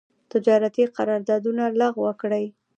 تجارتي قرارداونه لغو کړي.